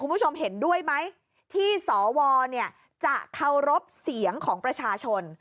คุณผู้ชมเห็นด้วยไหมที่สวจะเคารพเสียงของประชาชน